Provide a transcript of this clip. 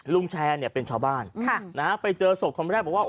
ลุงแชร์เป็นชาวบ้านไปเจอสบของเขาแรกบอกว่า